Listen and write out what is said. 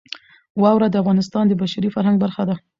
واوره د افغانستان د بشري فرهنګ برخه ده.